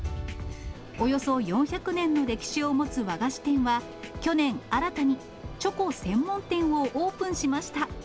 およそ４００年の歴史を持つ和菓子店は去年、新たにチョコ専門店をオープンしました。